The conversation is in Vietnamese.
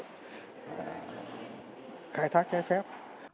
cái tượng khai thác trái phép